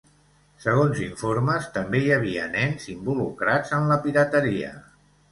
Segons informes, també hi havia nens involucrats en la pirateria.